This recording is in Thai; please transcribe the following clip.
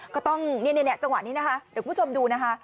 ก็ต้องจังหวะนี้นะคะเดี๋ยวคุณผู้ชมดูนะคะ